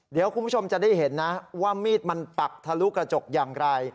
เดี๋ยวคุณผู้ชมจะได้เห็นนะว่ามีดมันปักทะลุกระจกอย่างไร